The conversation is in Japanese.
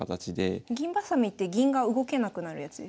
銀ばさみって銀が動けなくなるやつですよね？